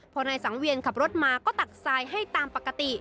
พอนายสังเวียนขับรถมาก็ตักทรายให้ตามปกติ